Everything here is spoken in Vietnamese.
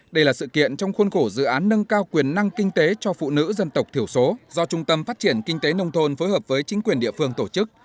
đây là sự kiện trong khuôn khổ dự án nâng cao quyền năng kinh tế cho phụ nữ dân tộc thiểu số do trung tâm phát triển kinh tế nông thôn phối hợp với chính quyền địa phương tổ chức